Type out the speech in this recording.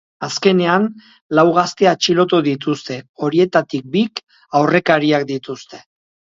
Azkenean, lau gazte atxilotu dituzte, horietatik bik, aurrekariak dituzte.